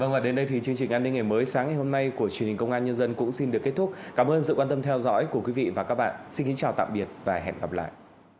và đến đây thì chương trình an ninh ngày mới sáng ngày hôm nay của truyền hình công an nhân dân cũng xin được kết thúc cảm ơn sự quan tâm theo dõi của quý vị và các bạn xin kính chào tạm biệt và hẹn gặp lại